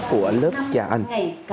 của lớp cha anh